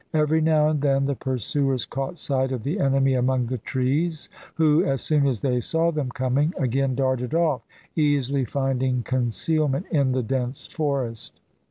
Every now and then the pursuers caught sight of the enemy among the trees, who, as soon as they saw them coming, again darted off, easily finding concealment in the dense forest.